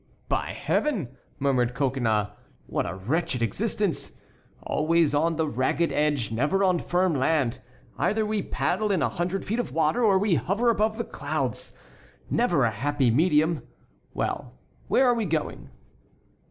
"By Heaven!" murmured Coconnas; "what a wretched existence! always on the ragged edge; never on firm land; either we paddle in a hundred feet of water or we hover above the clouds; never a happy medium. Well, where are we going?"